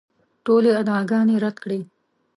ټولې ادعاګانې رد کړې.